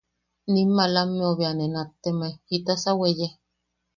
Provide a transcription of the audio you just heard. Nim malameu bea ne nattemae: –¿Jitasa weye?